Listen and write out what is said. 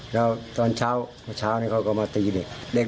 แล้วตอนเช้าเช้าก็มาตีเด็ก